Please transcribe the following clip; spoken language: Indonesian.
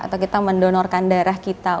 atau kita mendonorkan darah kita